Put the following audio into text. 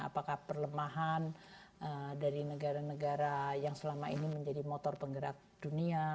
apakah perlemahan dari negara negara yang selama ini menjadi motor penggerak dunia